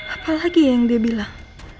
apalagi yang dia bilang